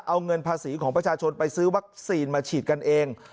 เอาเงินภาษีของประชาชนไปซื้อวัคซีนมาฉีดกันเอง